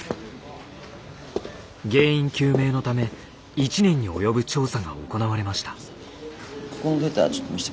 原因究明のため１年に及ぶ調査が行われました。